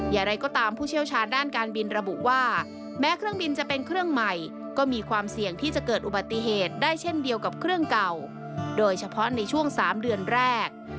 อย่างไรก็ตามผู้เชี่ยวชาญด้านการบินระบุว่าแม้เครื่องบินจะเป็นเครื่องใหม่ก็มีความเสี่ยงที่จะเกิดอุบัติเหตุได้เช่นเดียวกับเครื่องเก่าโดยเฉพาะในช่วง๓เดือนแรก